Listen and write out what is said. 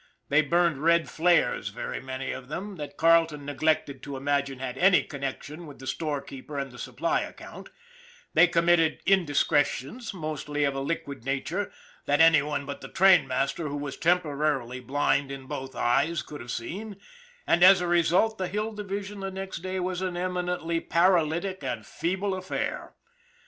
They burned red flares, very many of them, that Carleton neglected to imagine had any connection with the storekeeper and the supply account; they committed indiscretions, mostly of a liquid nature, that any one but the trainmaster, who was temporarily blind in both eyes, could have seen; and, as a result, the Hill Division the next day was an eminently paralytic and feeble affair.